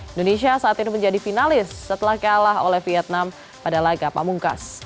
indonesia saat ini menjadi finalis setelah kalah oleh vietnam pada laga pamungkas